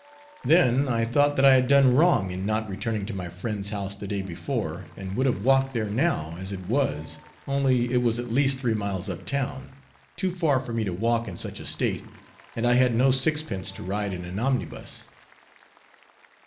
Then I thought that I had done wrong in not returning to my friend's house the day before; and would have walked there now, as it was, only it was at least three miles up town; too far for me to walk in such a state, and I had no sixpence to ride in an omnibus.